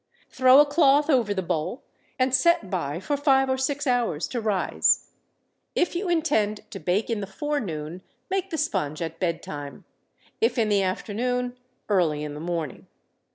Throw a cloth over the bowl and set by for five or six hours to rise. If you intend to bake in the forenoon, make the sponge at bedtime. If in the afternoon, early in the morning.